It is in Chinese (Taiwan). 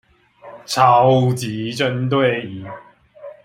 超級針對